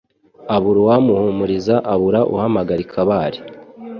Abura uwamuhumuriza, Abura uhamagara i Kabare;